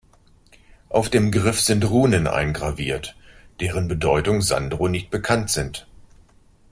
Auf dem Griff sind Runen eingraviert, deren Bedeutung Sandro nicht bekannt sind.